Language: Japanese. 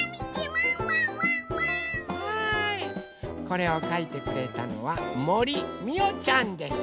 これをかいてくれたのはもりみおちゃんです。